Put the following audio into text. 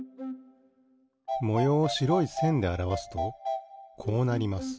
もようをしろいせんであらわすとこうなります。